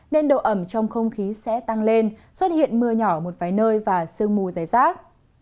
nên độ ẩm trong không khí sẽ tăng lên xuất hiện mưa nhỏ một vài nơi và sương mù dày rác